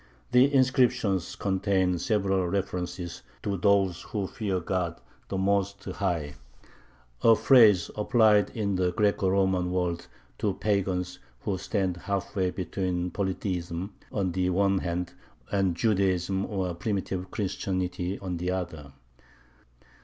The inscriptions contain several references to "those who fear God the Most High" (σεβόμενοι θεὸν ὕψιστον), a phrase applied in the Greco Roman world to pagans who stand half way between polytheism on the one hand and Judaism or primitive Christianity on the other.